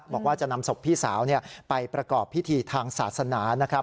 บอกว่าจะนำศพพี่สาวไปประกอบพิธีทางศาสนานะครับ